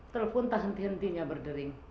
telepon tak henti hentinya berdering